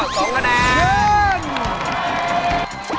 ๒ข้อ๒คะแนน